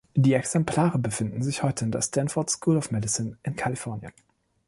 Die Exemplare befinden sich heute in der Stanford School of Medicine in Kalifornien.